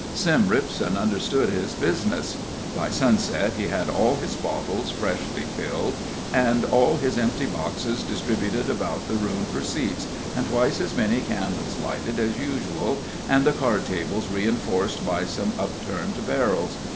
Sim Ripson understood his business. By sunset he had all his bottles freshly filled, and all his empty boxes distributed about the room for seats, and twice as many candles lighted as usual, and the card tables reinforced by some upturned barrels.